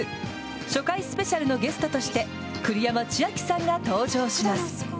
初回スペシャルのゲストとして栗山千明さんが登場します。